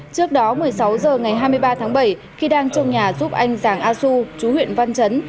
trước đó một mươi sáu h ngày hai mươi ba tháng bảy khi đang trong nhà giúp anh giàng a du chú huyện văn chấn